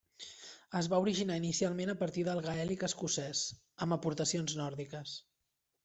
Es va originar inicialment a partir del gaèlic escocès, amb aportacions nòrdiques.